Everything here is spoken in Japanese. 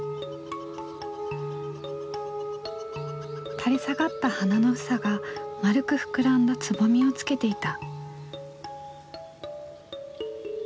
垂れ下がった花の房が丸く膨らんだつぼみをつけていた。